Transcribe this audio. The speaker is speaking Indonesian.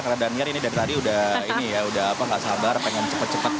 karena daniar ini dari tadi udah ini ya udah apa gak sabar pengen cepet cepet